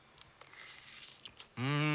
うん！